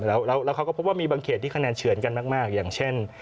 แล้วเขาก็พบว่ามีบางเขตที่คะแนนเฉือนกันมากอย่างเช่น